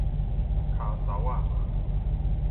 跤梢仔